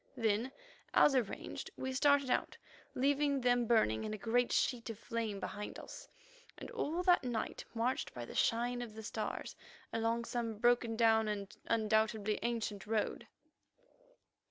Then, as arranged, we started out, leaving them burning in a great sheet of flame behind us, and all that night marched by the shine of the stars along some broken down and undoubtedly ancient road.